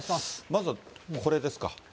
まずはこれですか。